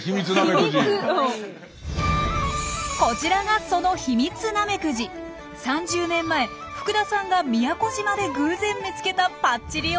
こちらがその３０年前福田さんが宮古島で偶然見つけたパッチリ